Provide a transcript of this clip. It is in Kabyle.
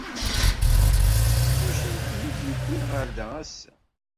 D acu ay ken-id-yewwin ɣer da ass-a?